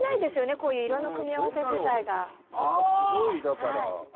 こういう色の組み合わせ自体がああ！